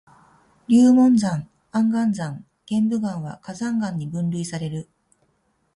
流紋岩、安山岩、玄武岩は火山岩に分類される。